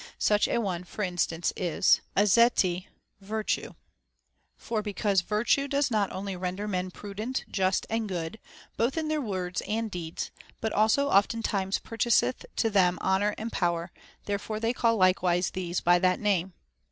Such a one, for instance, is αρετή, virtue. For because virtue does not only render men prudent, just, and good, both in their words and deeds, but also oftentimes purchaseth to them honor and power, therefore they call likewise these by that name.